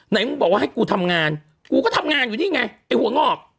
มึงบอกว่าให้กูทำงานกูก็ทำงานอยู่นี่ไงไอ้หัวงอก